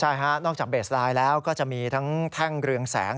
ใช่ฮะนอกจากเบสไลน์แล้วก็จะมีทั้งแท่งเรืองแสง